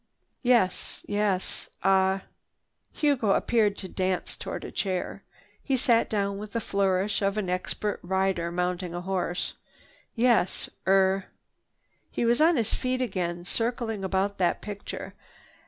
"Yes—yes—ah—" Hugo appeared to dance toward a chair. He sat down with the flourish of an expert rider mounting a horse. "Yes,—er—" He was on his feet again, circling about that picture.